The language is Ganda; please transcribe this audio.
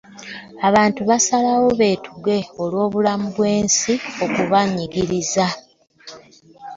Abantu basalawo betuge olwobulamu bwensi okubaginyiriza .